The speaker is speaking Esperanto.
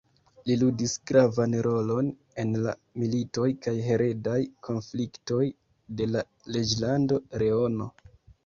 Li ludis gravan rolon en la militoj kaj heredaj konfliktoj de la Reĝlando Leono.